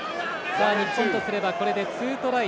日本とすればこれで２トライ